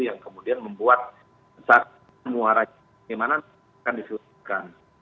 yang kemudian membuat semua rakyat gimana akan disusulkan